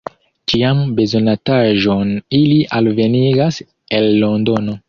Ĉian bezonataĵon ili alvenigas el Londono.